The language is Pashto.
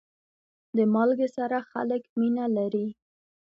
د مالګې سره خلک مینه لري.